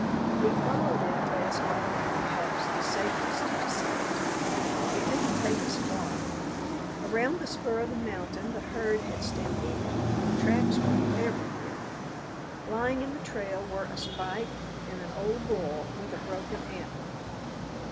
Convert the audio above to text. We followed it as offering perhaps the safest descent. It didn't take us far. Around the spur of the mountain the herd had stampeded; tracks were everywhere. Lying in the trail were a spike and an old bull with a broken antler.